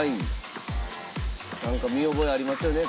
なんか見覚えありますよね？